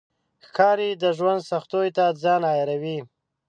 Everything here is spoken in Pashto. ښکاري د ژوند سختیو ته ځان عیاروي.